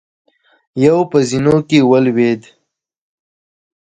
يو په زينو کې ولوېد.